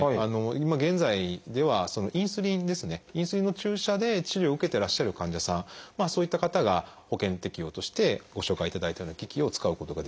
今現在ではインスリンですねインスリンの注射で治療を受けてらっしゃる患者さんそういった方が保険適用としてご紹介いただいたような機器を使うことができます。